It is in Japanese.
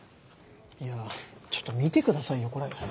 いやちょっと見てくださいよこれ。